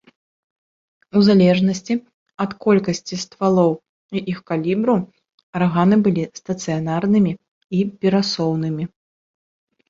У залежнасці ад колькасці ствалоў і іх калібру, арганы былі стацыянарнымі і перасоўнымі.